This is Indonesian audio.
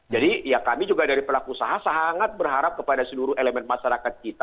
jadi ya kami juga dari pelaku usaha sangat berharap kepada seluruh elemen masyarakat kita